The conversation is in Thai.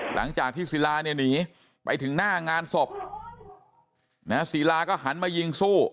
หลังจากที่ศิลาเนี่ยหนีไปถึงหน้างานศพศิลาก็หันมายิงสู้